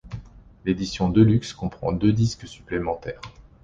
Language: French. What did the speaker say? L'édition deluxe comprend deux disques supplémentaires.